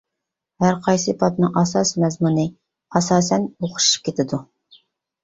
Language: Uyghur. ھەر قايسى بابنىڭ ئاساسىي مەزمۇنى ئاساسەن ئوخشىشىپ كېتىدۇ.